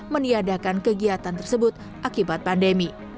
meniadakan kegiatan tersebut akibat pandemi